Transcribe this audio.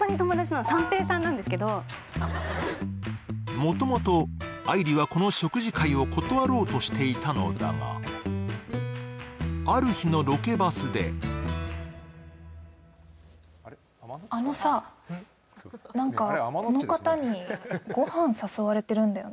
もともと愛梨はこの食事会を断ろうとしていたのだがある日のロケバスであのさ、何かこの方にご飯誘われてるんだよね？